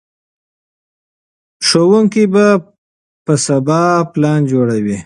ښوونکي به سبا پلان جوړوي.